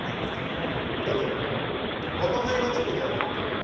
だって「我輩は猫である」っていう作品。